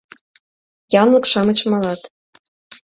Янлык-шамыч малат.